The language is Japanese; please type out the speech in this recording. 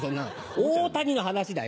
大谷の話だよ。